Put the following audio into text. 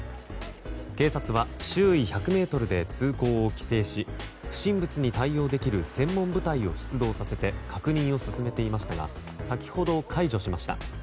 警察は周囲１００ｍで通行を規制し不審物に対応できる専門部隊を出動させて確認を進めていましたが先ほど、解除しました。